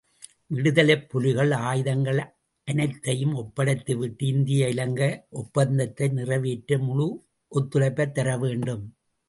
விடுதலைப் புலிகள் ஆயுதங்கள் அனைத்தையும் ஒப்படைத்துவிட்டு இந்திய இலங்கை ஒப்பந்தத்தை நிறைவேற்ற முழு ஒத்துழைப்பைத் தரவேண்டும்.